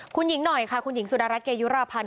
คุณหญิงหน่อยค่ะคุณหญิงสุดารัฐเกยุราพันธ์